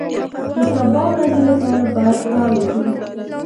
د سبا ورځې لپاره باید کار وکړو.